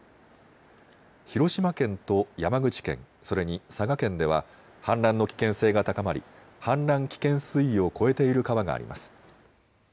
広島県と山口県それに佐賀県では氾濫の危険性が高まり氾濫危険水位を超えている川があります。